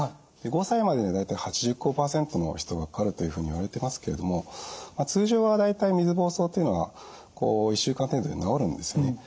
５歳までには大体８５％の人がかかるというふうにいわれてますけれども通常は大体水ぼうそうというのは１週間程度で治るんですね。